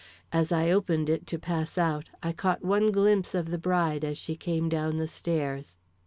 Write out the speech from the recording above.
As I opened it to pass out I caught one glimpse of the bride as she came down the stairs.